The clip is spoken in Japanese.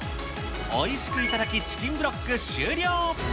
おいしく頂き、チキンブロック終了。